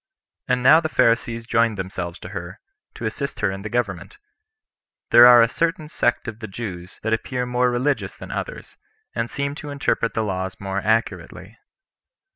And now the Pharisees joined themselves to her, to assist her in the government. These are a certain sect of the Jews that appear more religious than others, and seem to interpret the laws more accurately.